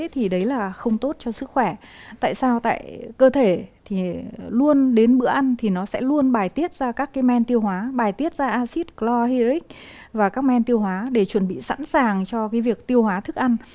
thì đấy là không tốt cho sức khỏe tại sao tại cơ thể thì luôn đến bữa ăn thì nó sẽ luôn bài tiết ra các cái men tiêu hóa bài tiết ra acid chlorhiric và các men tiêu hóa để chuẩn bị sẵn sàng cho cái việc tiêu hóa thức ăn